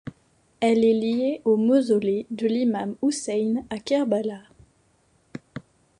Elle est liée au Mausolée de l'imam Hussein à Kerbala.